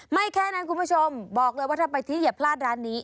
แค่นั้นคุณผู้ชมบอกเลยว่าถ้าไปที่อย่าพลาดร้านนี้